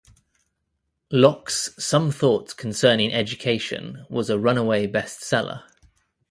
Locke's "Some Thoughts Concerning Education" was a runaway best-seller.